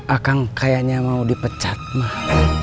akang kayaknya mau dipecat mah